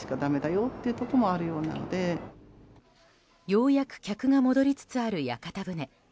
ようやく客が戻りつつある屋形船。